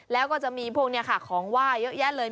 แล้วก็จะมีพวกนี้ค่ะของไหว้เยอะแยะเลย